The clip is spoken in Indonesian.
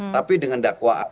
tapi dengan dakwaan